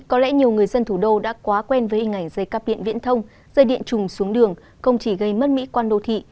có lẽ nhiều người dân thủ đô đã quá quen với hình ảnh dây cắp điện viễn thông dây điện trùng xuống đường không chỉ gây mất mỹ quan đô thị